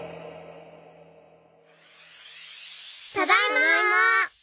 ただいま！